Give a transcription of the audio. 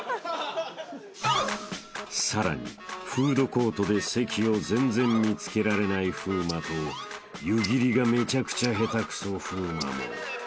［さらにフードコートで席を全然見つけられない風磨と湯切りがめちゃくちゃ下手くそ風磨も］